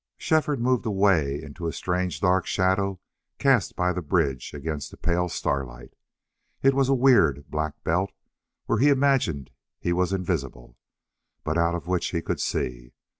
Shefford moved away into a strange dark shadow cast by the bridge against the pale starlight. It was a weird, black belt, where he imagined he was invisible, but out of which he could see.